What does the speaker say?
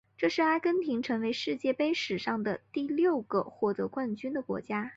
这是阿根廷成为世界杯史上的第六个获得冠军的国家。